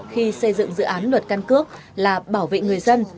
khi xây dựng dự án luật căn cước là bảo vệ người dân